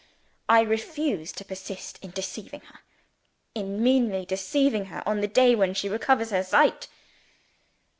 I refuse to persist in deceiving her in meanly deceiving her on the day when she recovers her sight!"